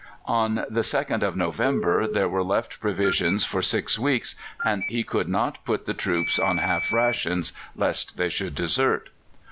On the 2nd of November there were left provisions for six weeks, and he could not put the troops on half rations, lest they should desert.